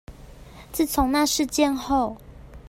自從那事件後